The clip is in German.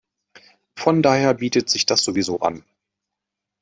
Von daher bietet sich das sowieso an.